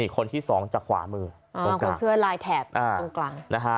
คนที่๒จากขวามือคนเสื้อลายแถบตรงกลาง